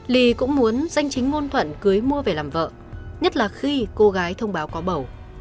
ly cũng muốn danh chính ngôn thuận cưới mua về làm vợ nhất là khi cô gái thông báo có bầu